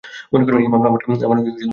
এই মামলা আমার জিনা হারাম করে দিবে।